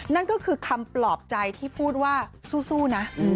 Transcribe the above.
นั่นก็คือคำปลอบใจที่พูดว่าสู้นะ